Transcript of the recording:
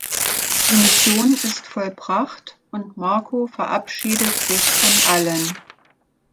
Die Mission ist vollbracht und Marco verabschiedet sich von Allen.